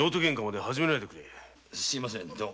すみません